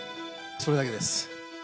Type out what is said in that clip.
それだけです